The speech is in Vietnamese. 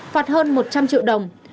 phạt hơn một trăm linh triệu đồng